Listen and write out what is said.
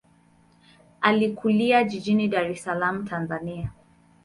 Alikulia jijini Dar es Salaam, Tanzania.